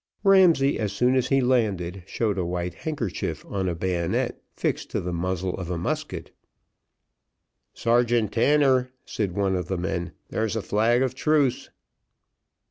Ramsay, as soon as he landed, showed a white handkerchief on a bayonet fixed to the muzzle of a musket. "Sergeant Tanner," said one of the men, "there's a flag of truce."